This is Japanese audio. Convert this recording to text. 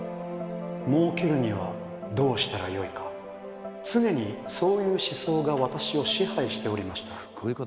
儲けるにはどうしたらよいか常にそういう思想が私を支配しておりました」。